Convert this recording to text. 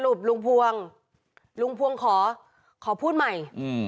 อ่ะสรุปลุงพวงกูขอพูดใหม่